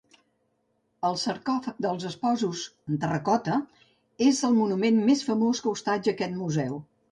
El sarcòfag dels esposos en terracota és el monument més famós que hostatja aquest museu.